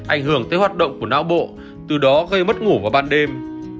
ảnh hưởng tới hoạt động của não bộ từ đó gây mất ngủ vào ban đêm